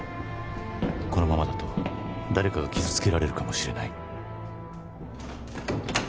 「このままだと誰かが傷つけられるかもしれない」